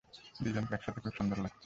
দুজনকে একসাথে খুব সুন্দর লাগছে।